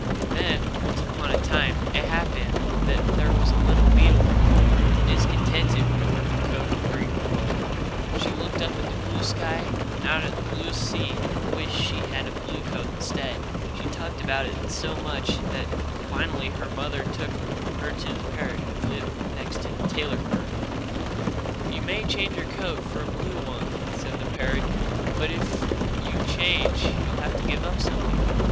Then, once upon a time, it happened that there was a little beetle who grew discontented with her coat of green and gold. She looked up at the blue sky and out at the blue sea and wished that she had a blue coat instead. She talked about it so much that finally her mother took her to the parrot who lived next to the tailor bird. "You may change your coat for a blue one," said the parrot, "but if you change you'll have to give up something."